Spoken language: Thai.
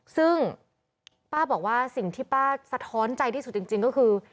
ซึ่งป้าบอกว่าสิ่งที่ป้าสะท้อนใจที่สุดจริงก็คือ